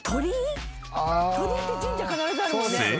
鳥居って神社必ずあるもんね。